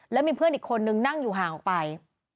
แล้วมีเพื่อนอีกคนนึงนั่งอยู่ห่างออกไป